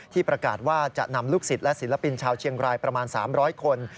ประกาศว่าจะนำลูกศิษย์และศิลปินชาวเชียงรายประมาณ๓๐๐คน